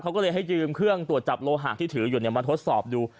เขาก็เลยให้ยืมเครื่องตรวจจับโลหะที่ถืออยู่มาทดสอบดู